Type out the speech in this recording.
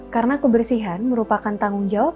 karena kebersihan merupakan tanggung jawab